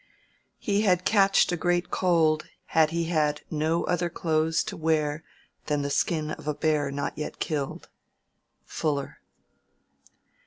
"He had catched a great cold, had he had no other clothes to wear than the skin of a bear not yet killed."—FULLER.